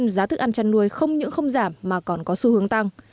giá thức ăn chăn nuôi không những không giảm mà còn có xu hướng tăng